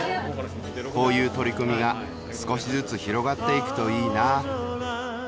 「こういう取り組みが少しずつ広がっていくといいな」